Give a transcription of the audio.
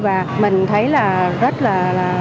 và mình thấy là rất là